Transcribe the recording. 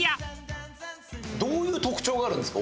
どういう特徴があるんですか？